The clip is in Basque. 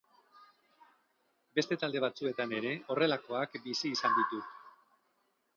Beste talde batzuetan ere horrelakoak bizi izan ditut.